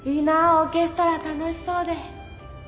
オーケストラ楽しそうで。